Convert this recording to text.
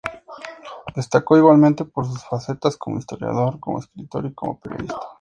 Destacó igualmente por sus facetas como historiador, como escritor y como periodista.